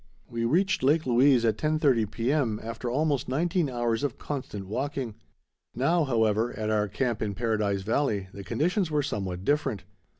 We reached Lake Louise at 10.30 P.M., after almost nineteen hours of constant walking. Now, however, at our camp in Paradise Valley, the conditions were somewhat different.